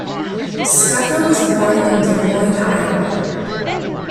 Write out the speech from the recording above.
Stucker was born in Des Moines, Iowa.